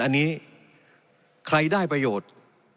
อันนี้ใครได้ประโยชน์